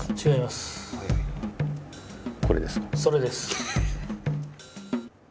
それです。